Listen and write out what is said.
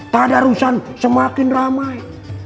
tadarusan semakin ramai